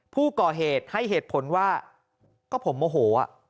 ผู้ก่อเหตุให้เหตุผลว่าก็ผมโมโห